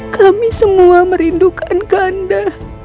kami semua merindukan kanda